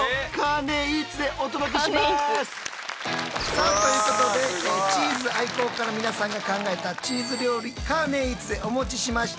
さあということでチーズ愛好家の皆さんが考えたチーズ料理カーネーイーツでお持ちしました！